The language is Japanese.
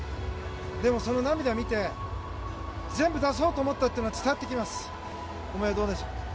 でもその涙を見て全部出そうと思ったというのは伝わってきます。